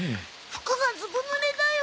服がずぶぬれだよ。